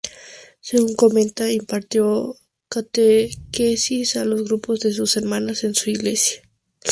Según comenta, impartió catequesis a los grupos de sus hermanas en su iglesia.